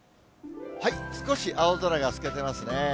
少し青空が透けてますね。